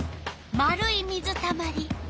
丸い水たまり。